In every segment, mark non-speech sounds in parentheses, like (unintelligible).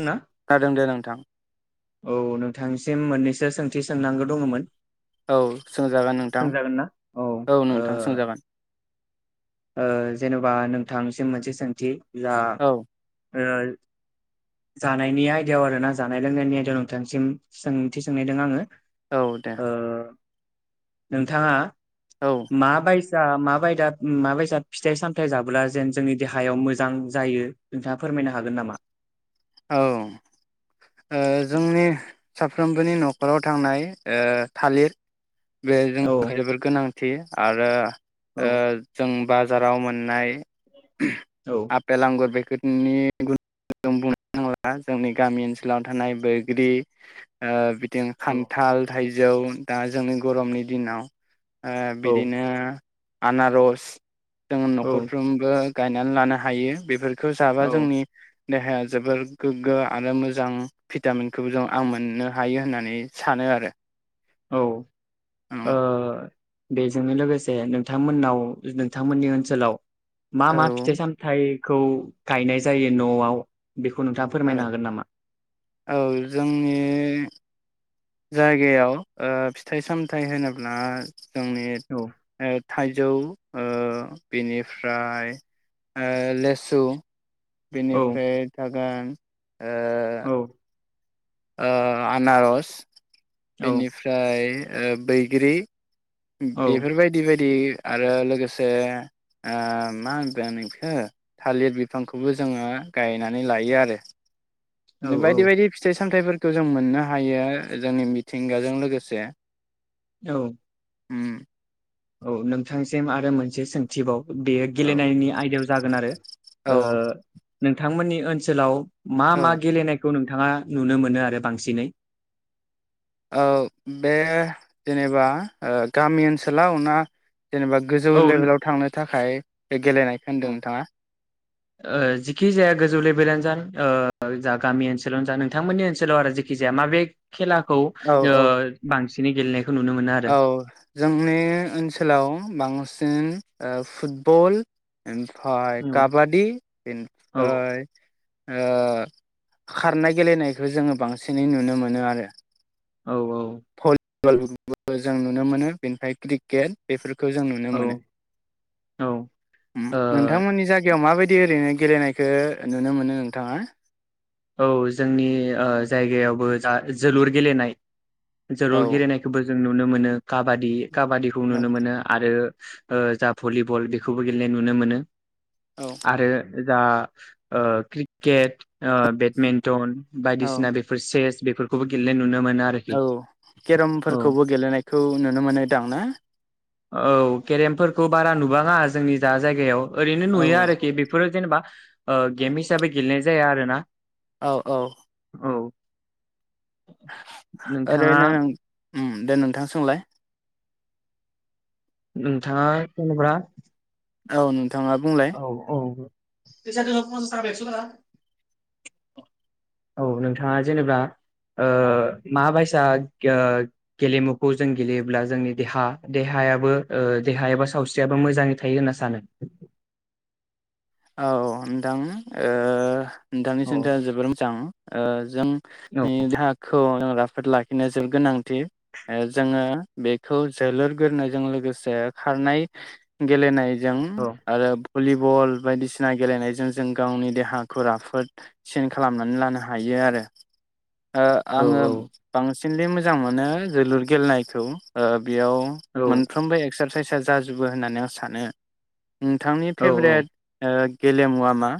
ना (unintelligible) दे नोंथां नोंथांनिसिम मोननैसो सोंथि सोंनांगौ दङमोन। औ सोंजागोन नोंथां सोंजागोन ना औ ओ नोंथां सोंजागोन ओ जेनबा नों नोंथांनिसिम मोनसे सोंथि जा औ (unintelligible) जानायनि आयदायाव आरोना जानाय लोंनायनि आयदायाव नोंथांसिम सोंथि सोंनायदों आङो। औ दे। ओ नोंथाङा औ मा बाय सा माबायदा माबायसा फिथाइ सामथाय जाब्ला जेन जोंनि देहायाव मोजां जायो नोंथाङा फोरमायनो हागोन नामा? औ ओ जोंनि साफ्रोमबोनि नखर नखराव थांनाय ओ थालिर बे औ (unintelligible) गोनां थि आरो औ ओ जों बाजाराव मोननाय औ आपेल आंगुर बे (unintelligible) नङा जोंनि गामि ओनसोलाव थानाय बैग्रि ओ औ खान्थाल थाइ जौ दा जोंनि गरमनि दिनाव ओ बिदिनो आनारस जों औ नखरफ्रोमबो गायनानै लानो हायो बेफोर खौ जाबा औ जोंनि देहाया जोबोर गोग्गो आरो मोजां भिटामिनखौबो जों आं मोननो हायो होननानै सानो आरो औ औ ओह बेजोंनोलोगोसे नोंथांमोननाव नोंथांमोननि ओनसोलाव मा मा फिथाइ सामथाइ खौ गायनाय जायो न'आव बेखौ नोंथाङा फोरमायनो औ हागोन नामा? औ जोंनि जायगायाव ओह फिथाइ सामथायाइ होनोब्ला जोंनि औ ओ थाइजौ ओह बेनिफ्राय ओह लेसु औ बिनिफ्राय जागोन औ। ओह आनारस औ बेनिफ्राय ओ बैग्रि बेफोर बायदि बायदि आरो लोगोसे ओह मा होनगोन इखो थालिर बिफांखौबो जोङो गायनानै लायोआरो। औ बिदिनो बायदि बायदि फिथाइ सामथायाइफोर खौ जों मोननोहायो जोंनि मिथिंगाजों लोगोसे। औ। उम। औ नोंथांनिसिम आरो मोनसे सोंथिबाव? बेयो औ गेलेनायनि आयदायाव जागोनआरो औ ओह नोंथांमोननि ओनसोलाव मा औ मा गैलिनाय खौ नोंथाङा नुनो मोनोआरो बांसिनै? ओह बे जेनेबा ओह गामि ओनसोलाव ना जेनेबा गोजौ लेबेलाव थांनो थाखाय बे गेलेनायखौ होनदों (unintelligible) नोंथाङा ओह जिखिजाया गोजौ लेबेलहानजानि ओह (unintelligible) जा गामि ओनसोलावनो जा नोंथांमोननि ओनसोलावआरो जेखि जाया माबे खेलाखौ औ औ ओह बांसिन बिनि गेलेनाय औ जोंनि ओनसोलाव बांसिनै ओह फुटबल ओमफाय औ काबादि औ इनफ्राय ओ‌ खारनाय गेलेनायखौ जोङो बांसिनै नुनो मोनो आरो औ औ फुटबल फुटबल जों नुनो मोनो बेनिफ्राय क्रिकेट बेफोर खौ जों नुनो औ मोनो। औ उम ओ नोंथांमोननि जायगायाव मा बाय बिदि ओरैनो गेलेनायखो नुनो मोनो नोंथाङा औ जोंनि ओ जायगायावबो जा जोलुर गेलेनाय औ जोलुर गेलेनायखौबो जों नुनो मोनो काबादि काबादिखौ औ नुनो मोनो आरो ओ जा भलिबल बेखौबो गेलेनाय नुनो मोनो औ आरो जा ओ क्रिकेट ओ बेदमिन्टन औ बायदिसिना बेफोर चेस बेफोरखौबो गेलेनाय नु औ केरमफोरखौबो गेलेनायखौ नुनो मोनोदां ना? बाङा जोंनि दा जायगायाव ओरैनो औ नुयो आरोखि बेफोरो जेनेबा ओ गेम हिसाबै गेलेनाय जाया आरो ना औ औ औ नोंथाङा ओरैनो उम दे नोंथां सोंलाय नोंथाङा जेनेबा औ नो औ औ (unintelligible) औ नोंथाङा जेनेबा ओ माबायसा ओ गेलेमुखौ जों गेलेयोब्ला जोंनि देहा देहायाबो ओ देहा एबा सावस्रियाबो मोजाङै थायो होनना सानो? औ नोंथां नो ओ नोंथांनि औ सोंथिया जोबोर मोजां ओ जों औ (unintelligible) फोद लाखिनाया जोबोद गोनांथि ओ जोङो बेखौ जोलुर गेलेनायजों लोगोसे खारनाय गेलेनाय जों औ आरो भलिबल बायदिसिना गेलेनायजों जों गावनि देहाखौ राफोदसिन खालामनानै लानो हायो आरो। ओ आङो औ बांसि (unintelligible) मोजां मोनो जोलुर गेलेनायखौ ओ बेयाव औ मोनफ्रोमबो एक्सार सायसा जाजुबो होननानै आं सानो। नोंथांनि औ औ फेभरेट ओ गेलेमुवा मा?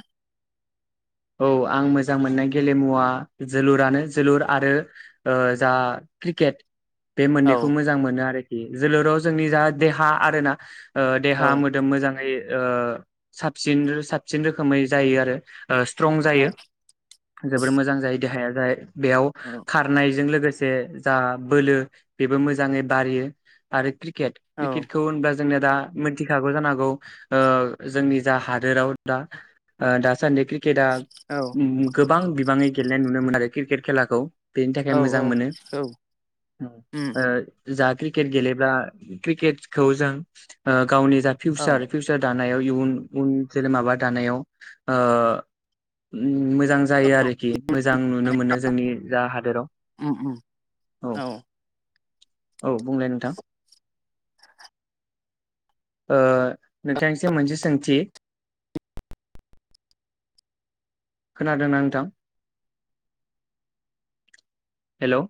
औ आं मोजां मोननाय गेलेमुवा जोलुरानो जोलुर आरो ओ जा क्रिकेट बे औ मोननैखौ मोजां मोनो आरो। जोलुराव जोंनि जा देहा आरो ना ओ देहा औ मोदोम मोजाङै ओ साबसिन साबसिन रोखोमै जायो आरो। ओ स्ट्रंग औ जायो जोबोर मोजां जायो देहाया। (unintelligible) बेयाव औ खारनायजों लोगो से जा बोलो बेबो मोजाङै बारियो आरो क्रिकेट क्रिकेटखौ होनब्ला जोंनो दा मिथिखागौ जानोहागौ ओ जोंनि जा हादोराव दा ओ दासान्दि क्रिक केटआ उम गोब बां बिबाङै गेलेनाय नुनो मोनो आरो किर्केट खेलाखौ। बेनि थाखाय औ मोजां मोनो औ उम ओ जा क्रिकेट गेलेब्ला क्रिकेटसखौ जों ओ गावनि जा औ फिउचार फिउचार दान नायाव इयुन उन जेरै माबा दानायाव ओ उम (unintelligible) जां जायो आरोखि मोजां नुनो माने मोनो जोंनि जा हादोराव उम उम औ। औ बुंलाय नोंथां ओ नोंथांनिसिम मोनसे सोंथि। खोनादोंना नोंथां? हेलौ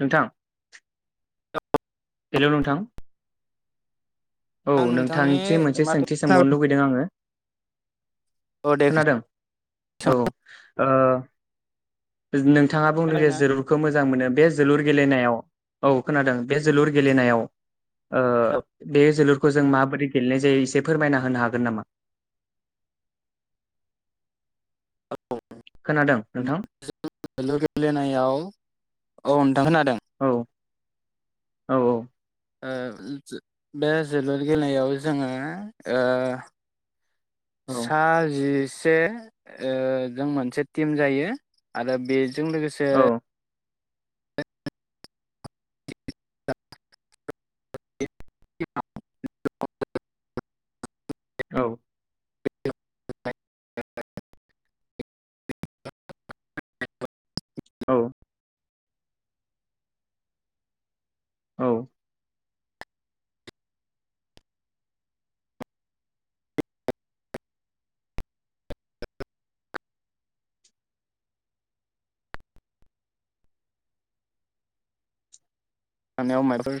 नोंथां हेलौ नोंथां। औ आं नोंथांनि नोंथांथि मोनसे माथो सोंथि सोंबावनो लुुगैदों आङो। औ दे खोनादों औ खोनादोंना? ओ नोंथाङा बुंदों जे जोलुरखौ मोजां मोनो बे जोलुर गेलेनायाव औ खोनादों बे जोलुर गेलेनायाव ओ औ बे जोलुर खौ जों माबोरै गेलेनाय जायो एसे फोरमायना होनो हागोन नामा? औ खोनादों (unintelligible) नोंथां जों जोलुर गेलेनायाव औ औ ओ बे जोलुर गेलेनायाव जोङो ओ औ सा जिसे जिसे ओ जों मोनसे टिम जायो आरो बे बे जों लोगोसे औ औ गैया (unintelligible) औ (unintelligible) औ औ सानायाव (unintelligible)